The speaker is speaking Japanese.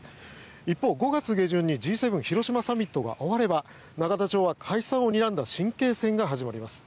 一方、５月下旬にＧ７広島サミットが終われば永田町は解散をにらんだ神経戦が始まります。